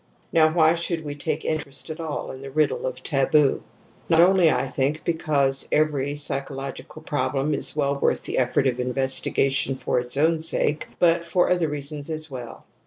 Now why should we take any interest at all in the riddle of taboo ? Not only, I think, because every psychological problem is well worth the effort of investigation for its own sake, but for other reasons as well.